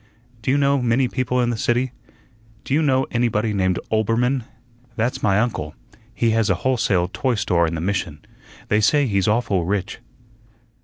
"Do you know many people in the city? Do you know anybody named Oelbermann? That's my uncle. He has a wholesale toy store in the Mission. They say he's awful rich."